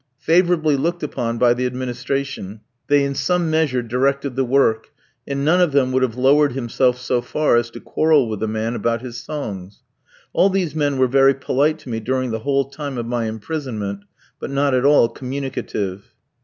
Favourably looked upon by the administration, they in some measure directed the work, and none of them would have lowered himself so far as to quarrel with a man about his songs. All these men were very polite to me during the whole time of my imprisonment, but not at all communicative.